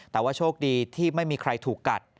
แต่ว่าโชคดีที่ไม่มีใครถูกกัด